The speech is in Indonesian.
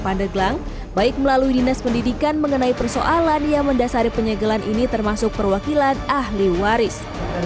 pandeglang baik melalui dinas pendidikan mengenai persoalan yang mendasari penyegelan ini termasuk perwakilan ahli waris